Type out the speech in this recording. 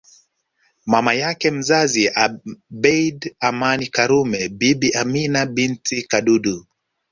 Mama yake mzazi Abeid Amani Karume Bibi Amina binti Kadudu